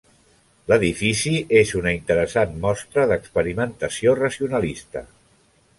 L'edifici és una interessant mostra d'experimentació racionalista.